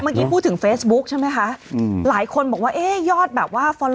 เมื่อกี้พูดถึงเฟซบุ๊กใช่ไหมคะอืมหลายคนบอกว่าเอ๊ะยอดแบบว่าฟอล